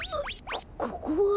こここは？